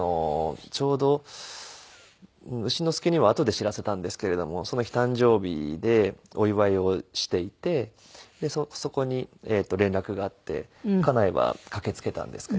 ちょうど丑之助にはあとで知らせたんですけれどもその日誕生日でお祝いをしていてそこに連絡があって家内は駆けつけたんですけれども。